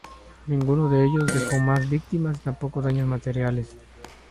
Ninguno de ellos dejó más víctimas y tampoco daños materiales.